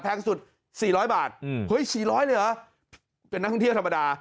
สุด๔๐๐บาทเฮ้ย๔๐๐เลยเหรอเป็นนักท่องเที่ยวธรรมดา